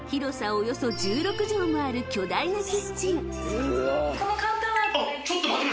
およそ１６畳もある巨大なキッチン］